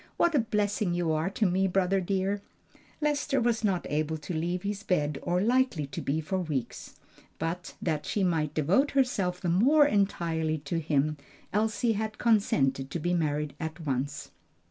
"What a blessing you are to me, brother dear!" Lester was not able to leave his bed or likely to be for weeks, but that she might devote herself the more entirely to him Elsie had consented to be married at once.